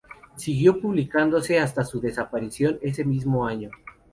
Siguió publicándose hasta su desaparición ese mismo año.